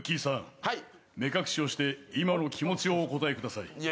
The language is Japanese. さん目隠しをして今の気持ちをお答えください